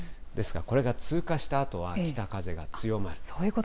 ですがこれが通過したあとは、北風が強まる。